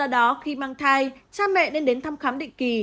do đó khi mang thai cha mẹ nên đến thăm khám định kỳ